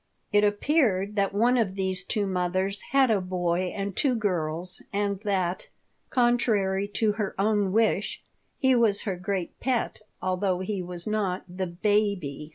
It appeared that one of these two mothers had a boy and two girls and that, contrary to her own wish, he was her great pet, although he was not the "baby."